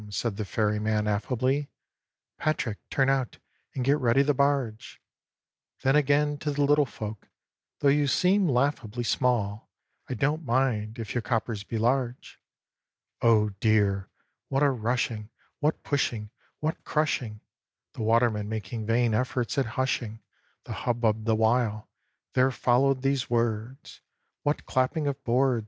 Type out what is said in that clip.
said the Ferryman, affably; "Patrick, turn out, and get ready the barge!" Then again to the Little Folk "Though you seem laughably Small, I don't mind, if your coppers be large." Oh, dear! what a rushing, what pushing, what crushing (The watermen making vain efforts at hushing The hubbub the while) there followed these words! What clapping of boards!